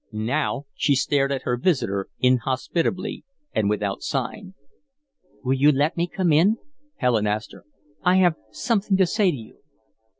Now she stared at her visitor inhospitably and without sign. "Will you let me come in?" Helen asked her. "I have something to say to you."